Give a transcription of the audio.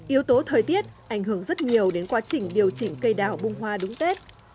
yếu tố thời tiết ảnh hưởng rất nhiều đến quá trình điều chỉnh cây đào bung hoa đúng tết